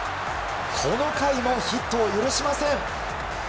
この回もヒットを許しません！